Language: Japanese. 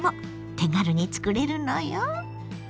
手軽に作れるのよ。